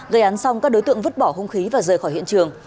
gây án xong các đối tượng vứt bỏ hung khí và rời khỏi hiện trường